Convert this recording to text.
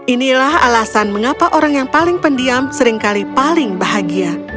inilah alasan mengapa orang yang paling pendiam seringkali paling bahagia